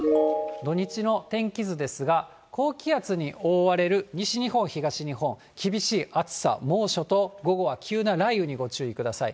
土日の天気図ですが、高気圧に覆われる西日本、東日本、厳しい暑さ、猛暑と、午後は急な雷雨にご注意ください。